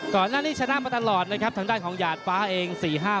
ปืนตำเชิดฉลามพรรณไชย